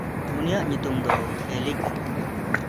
ᱩᱱᱤᱭᱟᱜ ᱧᱩᱛᱩᱢ ᱫᱚ ᱠᱷᱮᱞᱤ ᱠᱟᱱᱟ᱾